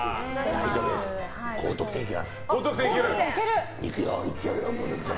大丈夫です、高得点いけます！